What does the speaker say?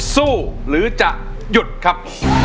สู้หรือจะหยุดครับ